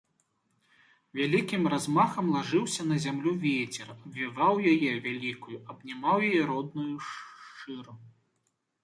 Вялікім размахам лажыўся на зямлю вецер, абвяваў яе, вялікую, абнімаў яе родную шыр.